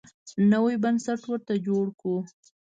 نوی بنسټ ورته جوړ کړو.